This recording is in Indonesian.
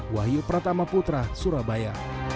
wahyu pratama putra surabaya